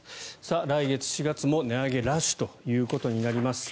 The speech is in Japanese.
来月４月も値上げラッシュということになります。